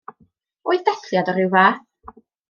Oedd dathliad o ryw fath?